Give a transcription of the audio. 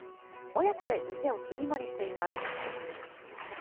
親子で店を切り盛りしています。